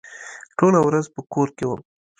ټوله ورځ په کور کې وم.